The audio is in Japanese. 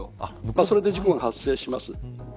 それで事故が発生します。